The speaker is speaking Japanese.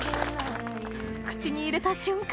口に入れた瞬間